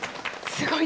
すごい。